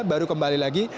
baru kembali lagi